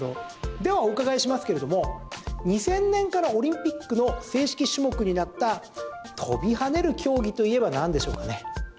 ではお伺いしますけれども２０００年からオリンピックの正式種目になった跳びはねる競技といえばなんでしょうかね？